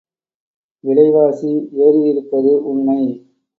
விலைவாசி ஏறியிருப்பது உண்மை.